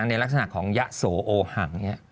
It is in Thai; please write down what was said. ในลักษณะของยะโสโอหัง